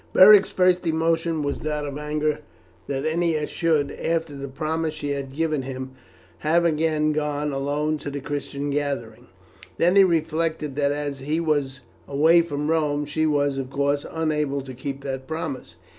Beric's first emotion was that of anger that Ennia should, after the promise she had given him, have again gone alone to the Christian gathering. Then he reflected that as he was away from Rome, she was, of course, unable to keep that promise.